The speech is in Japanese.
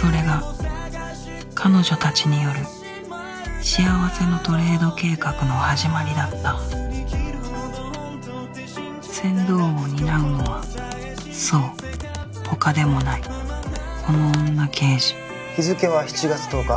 それが彼女たちによる幸せのトレード計画の始まりだった船頭を担うのはそうほかでもないこの女刑事日付は７月１０日。